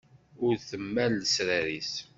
Ur temmal lesrar-is.